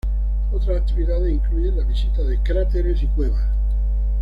Otras actividades incluyen la visita de cráteres y cuevas.